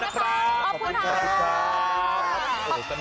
สนุกเก่ง